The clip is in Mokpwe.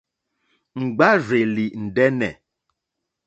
Ŋɡbárzèlì ndɛ́nɛ̀.